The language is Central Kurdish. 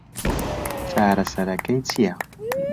چارەسەرەکەی چییە؟